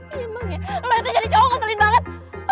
emang ya lo itu jadi cowok keselin banget